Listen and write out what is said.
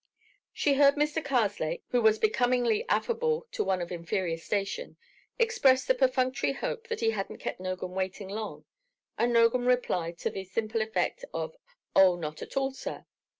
She heard Mr. Karslake, who was becomingly affable to one of inferior station, express the perfunctory hope that he hadn't kept Nogam waiting long, and Nogam reply to the simple effect of "Oh, not at all, sir."